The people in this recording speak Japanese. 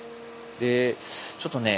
でちょっとね